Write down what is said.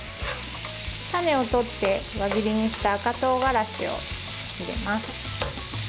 種を取って輪切りにした赤とうがらしを入れます。